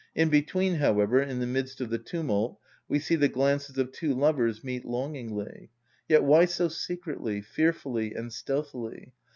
In between, however, in the midst of the tumult, we see the glances of two lovers meet longingly: yet why so secretly, fearfully, and stealthily?